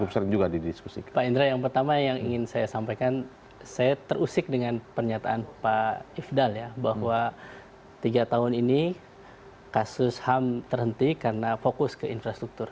saya terusik dengan pernyataan pak ifdal ya bahwa tiga tahun ini kasus ham terhenti karena fokus ke infrastruktur